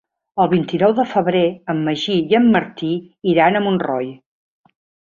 El vint-i-nou de febrer en Magí i en Martí iran a Montroi.